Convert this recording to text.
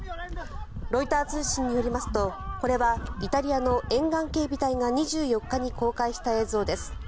ロイター通信によりますとこれはイタリアの沿岸警備隊が２４日に公開した映像です。